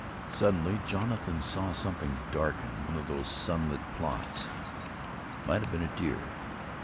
Suddenly Jonathan saw something darken one of these sunlit plots. It might have been a deer.